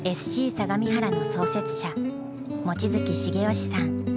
相模原の創設者望月重良さん。